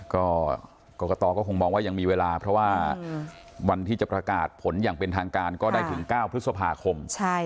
ก็กรกตก็คงมองว่ายังมีเวลาเพราะว่าวันที่จะประกาศผลอย่างเป็นทางการก็ได้ถึง๙พฤษภาคม